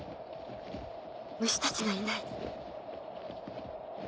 蟲たちがいない